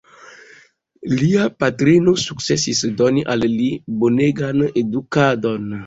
Lia patrino sukcesis doni al li bonegan edukadon.